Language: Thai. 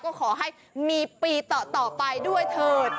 ก็ขอให้มีปีต่อไปด้วยเถิด